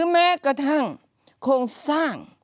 แม้กระทั่งโครงสร้าง